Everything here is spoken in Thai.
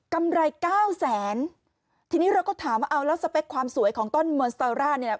กำไรเก้าแสนทีนี้เราก็ถามว่าเอาแล้วสเปคความสวยของต้นเมินสตอร่าเนี่ย